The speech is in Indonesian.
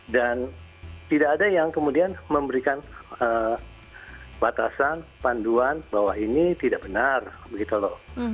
dan tidak ada yang kemudian memberikan batasan panduan bahwa ini tidak benar begitu loh